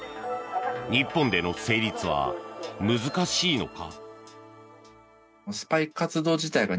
日本での成立は難しいのか？